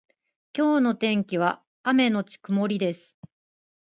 今日の天気は雨のち曇りです。